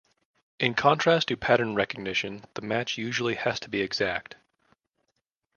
In contrast to pattern recognition, the match usually has to be exact.